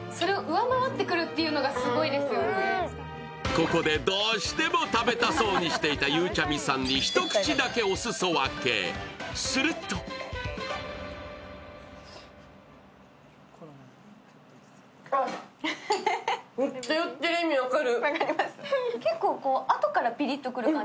ここで、どうしても食べたそうにしていたゆうちゃみさんに一口だけお裾分け、するとめっちゃ言ってる意味分かる。